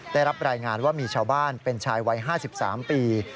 ได้รับรายงานว่ามีชาวบ้านเป็นชายวัย๕๓ปี